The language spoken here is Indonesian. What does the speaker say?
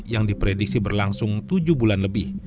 yang diprediksi berlangsung tujuh bulan lebih